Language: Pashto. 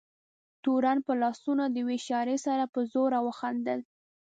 تورن په لاسونو د یوې اشارې سره په زوره وخندل.